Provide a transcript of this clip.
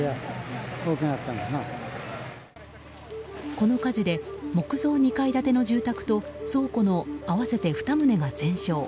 この火事で木造２階建ての住宅と倉庫の合わせて２棟が全焼。